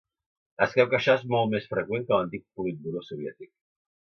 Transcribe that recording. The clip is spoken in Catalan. Es creu que això és molt més freqüent que l'antic Politburó soviètic.